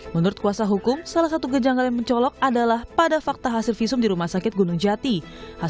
menurut kuasa hukum salah satu kejanggalan yang mencolok adalah pada fakta hasil visum di rumah sakit gunung jati